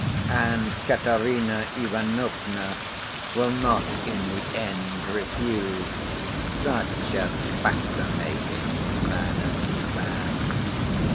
And Katerina Ivanovna will not in the end refuse such a fascinating man as Ivan.